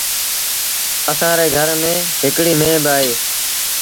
اسآݩ ري گھر ميݩ هڪڙيٚ ميݩهن با اهي۔